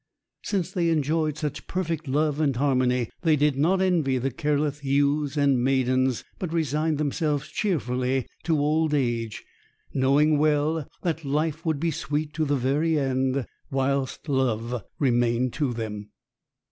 Since they enjoyed such perfect love and harmony, they did not envy the careless youths and maidens, but resigned themselves cheerfully to old age, knowing well that life would be sweet to the very end whilst love remained to them.